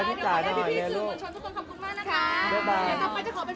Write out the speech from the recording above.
มีความเจ๋อได้